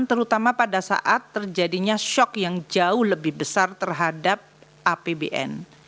terutama pada saat terjadinya shock yang jauh lebih besar terhadap apbn